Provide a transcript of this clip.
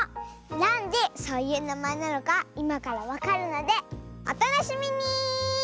なんでそういうなまえなのかいまからわかるのでおたのしみに！